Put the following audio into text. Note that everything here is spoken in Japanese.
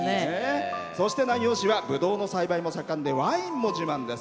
そして、南陽市はぶどうの栽培も盛んでワインも自慢です。